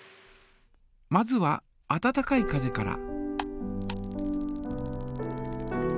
まずは温かい風から。